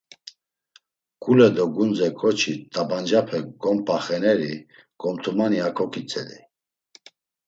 Mǩule do gundze ǩoçi t̆abancape gompa xeneri gomtumani a koǩitzedey.